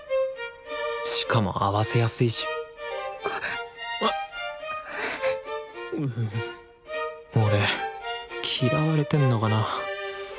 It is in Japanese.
しかも合わせやすいし俺嫌われてんのかな。